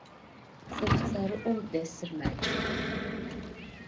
Şıf ts'erı'ou desır maç'ep.